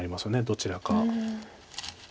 どちらか。